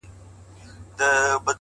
مهرباني د سختو حالاتو نرموونکې ده؛